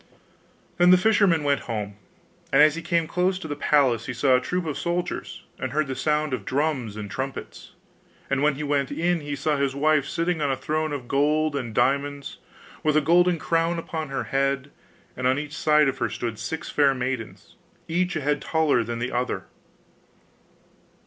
Then the fisherman went home; and as he came close to the palace he saw a troop of soldiers, and heard the sound of drums and trumpets. And when he went in he saw his wife sitting on a throne of gold and diamonds, with a golden crown upon her head; and on each side of her stood six fair maidens, each a head taller than the other.